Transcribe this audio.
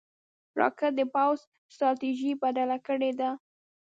راکټ د پوځ ستراتیژي بدله کړې ده